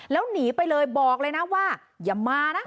แล้วหนีไปเลยบอกเลยนะว่าอย่ามานะ